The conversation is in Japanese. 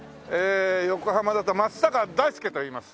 横浜だと松坂大輔といいます。